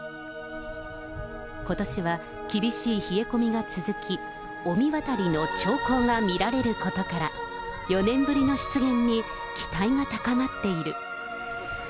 ことしは厳しい冷え込みが続き、御神渡りの兆候が見られることから、４年ぶりの出現に期待が高まっている。